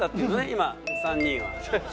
今３人は。